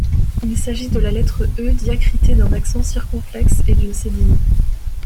Il s’agit de la lettre E diacritée d’un accent circonflexe et d’une cédille.